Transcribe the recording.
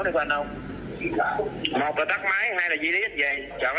một là tắt máy hai là duy lý về chọn cái nào